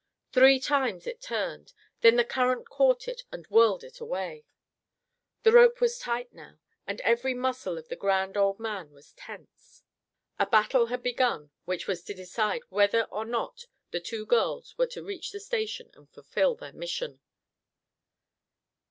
Three times it turned, then the current caught it, and whirled it away. The rope was tight now, and every muscle of the grand old man was tense. A battle had begun which was to decide whether or not the two girls were to reach the station and fulfill their mission.